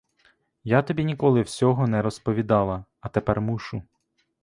Я тобі ніколи всього не розповідала, а тепер мушу.